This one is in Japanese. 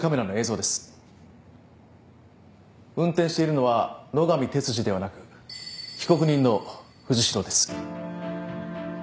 運転しているのは野上哲司ではなく被告人の藤代です。